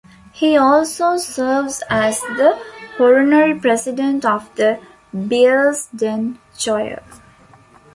He also serves as the Honorary President of the Bearsden Choir.